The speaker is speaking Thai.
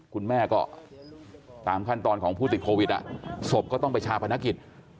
คุณแม่ก็ตามขั้นตอนของผู้ติดโควิดศพก็ต้องไปชาพนักกิจ